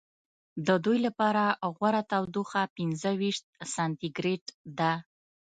د دوی لپاره غوره تودوخه پنځه ویشت سانتي ګرېد ده.